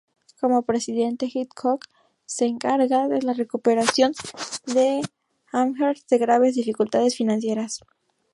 Como presidente, Hitchcock se encarga de la recuperación de Amherst de graves dificultades financieras.